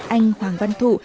anh hoàng văn thụ